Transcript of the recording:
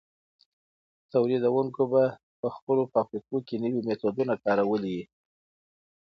تولیدونکو به په خپلو فابریکو کي نوي میتودونه کارولي وي.